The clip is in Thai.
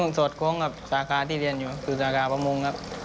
ปรึงสดคลงกับสาขาที่เรียนอยู่สรุปสังค์ภาพพระมงครับ